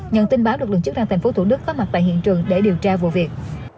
nhận tin báo được lượng chức đang thành phố thủ đức có mặt tại hiện trường để điều tra vụ việc